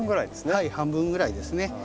はい半分ぐらいですね。